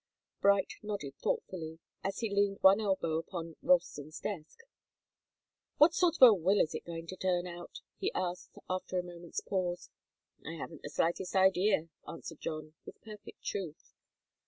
Bright nodded thoughtfully, as he leaned one elbow upon Ralston's desk. "What sort of a will is it going to turn out?" he asked, after a moment's pause. "I haven't the slightest idea," answered John, with perfect truth.